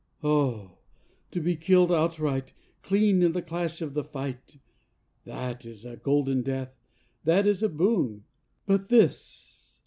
Oh, to be killed outright, Clean in the clash of the fight! That is a golden death, That is a boon; but this